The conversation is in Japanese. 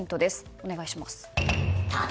お願いします。